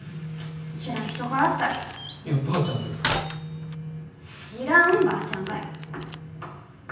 知らん人からったいいや「ばーちゃん」って知らんばーちゃんがよ